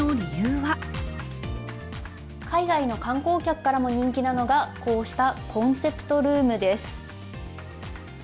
海外の観光客からも人気なのが、こうしたコンセプトルームです。